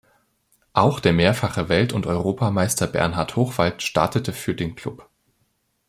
Auch der mehrfache Welt- und Europameister Bernhard Hochwald startete für den Klub.